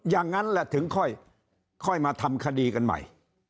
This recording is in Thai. อย่างนั้นแหละถึงค่อยมาทำคดีกันใหม่